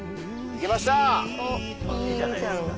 いいじゃないですか。